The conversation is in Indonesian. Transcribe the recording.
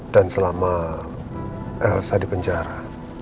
selama elsa di penjara